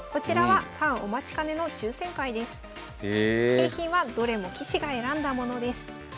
景品はどれも棋士が選んだものです。